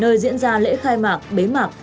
nơi diễn ra lễ khai mạc bế mạc